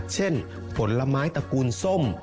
เช่นผลไม้ตระกูลส้ม